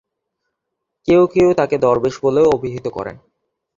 কেউ কেউ তাকে দরবেশ বলেও অভিহিত করেন।